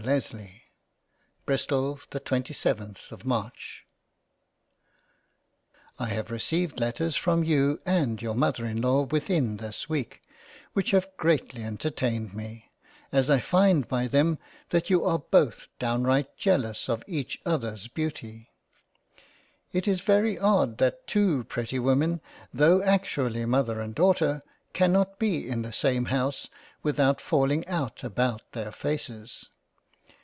LESLEY Bristol the 27th of March 1HAVE received Letters from you and your Mother in law within this week which have greatly entertained me, as I find by them that you are both downright jealous of each others Beauty. It is very odd that two pretty Women tho' actually Mother and Daughter cannot be in the same House without falling out about their faces.